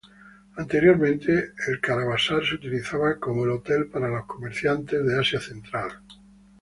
Anteriormente el caravasar se utilizaba como el hotel para los comerciantes de Asia Central.